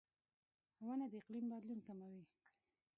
• ونه د اقلیم بدلون کموي.